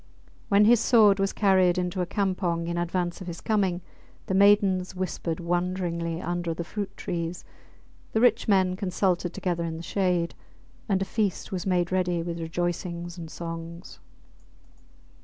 When his sword was carried into a campong in advance of his coming, the maidens whispered wonderingly under the fruit trees, the rich men consulted together in the shade, and a feast was made ready with rejoicing and songs.